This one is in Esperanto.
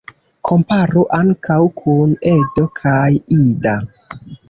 Komparu ankaŭ kun "Edo" kaj "Ida".